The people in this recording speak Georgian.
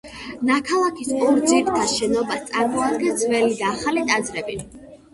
ნაქალაქარის ორ ძირითად შენობას წარმოადგენს ძველი და ახალი ტაძრები.